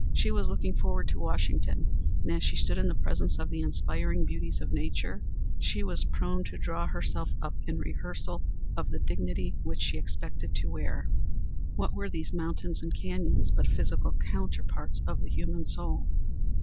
She was looking forward to Washington, and as she stood in the presence of the inspiring beauties of nature she was prone to draw herself up in rehearsal of the dignity which she expected to wear. What were these mountains and canyons but physical counterparts of the human soul?